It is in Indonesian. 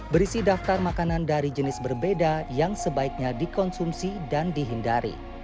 berisi daftar makanan dari jenis berbeda yang sebaiknya dikonsumsi dan dihindari